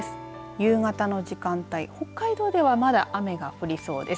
夕方の時間帯、北海道ではまだ雨が降りそうです。